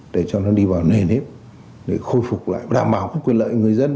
để cho nó đi vào nền hết để khôi phục lại đảm bảo các quyền lợi người dân